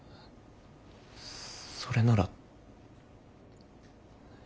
それなら。